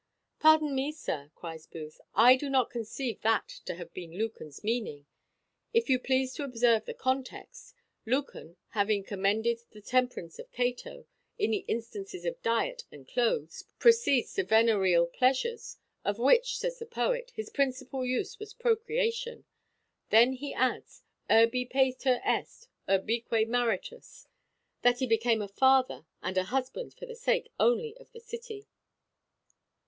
"Pardon me, sir," cries Booth; "I do not conceive that to have been Lucan's meaning. If you please to observe the context; Lucan, having commended the temperance of Cato in the instances of diet and cloaths, proceeds to venereal pleasures; of which, says the poet, his principal use was procreation: then he adds, Urbi Pater est, urbique Maritus; that he became a father and a husband for the sake only of the city."